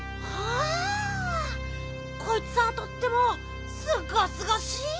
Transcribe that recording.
あこいつぁとってもすがすがしい！